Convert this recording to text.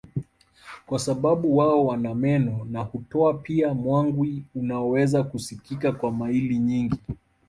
kwa sababu wao wana meno na hutoa pia mwangwi unaoweza kusikika kwa maili nyingi